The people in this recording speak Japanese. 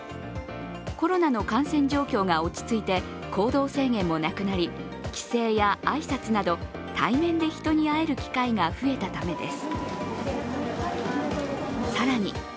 コロナの感染状況が落ち着いて行動制限もなくなり、帰省や挨拶など、対面で人に会える機会が増えたためです。